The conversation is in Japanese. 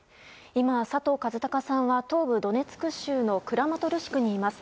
今、佐藤和孝さんは東部ドネツク州のクラマトルシクにいます。